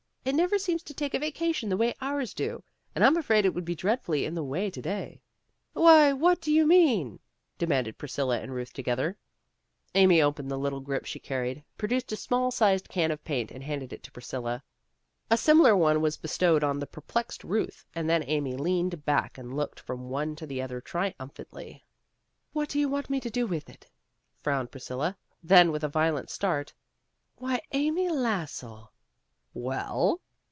"It never seems to take a vacation the way ours do, and I'm afraid it would be dreadfully in the way to day." "Why, what do you mean?" demanded Priscilla and Euth together. Amy opened the little grip she carried, pro duced a small sized can of paint and handed it to Priscilla. A similar one was bestowed on the perplexed Euth, and then Amy leaned back and looked from one to the other triumph antly. "What do you want me to do with it?" frowned Priscilla. Then with a violent start, "Why, Amy Lassell!'" "Well?"